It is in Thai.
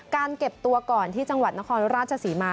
เก็บตัวก่อนที่จังหวัดนครราชศรีมา